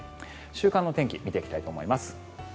週間天気見ていきたいと思います。